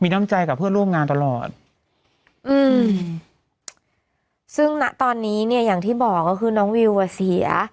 น้ำใจกับเพื่อนร่วมงานตลอดอืมซึ่งณตอนนี้เนี่ยอย่างที่บอกก็คือน้องวิวอ่ะเสีย